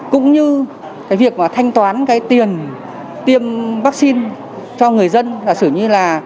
cũng như việc thanh toán tiền tiêm vaccine cho người dân